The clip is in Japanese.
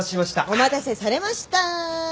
お待たせされましたー。